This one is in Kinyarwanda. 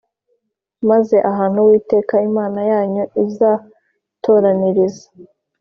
Maze ahantu uwiteka imana yanyu izatoraniriza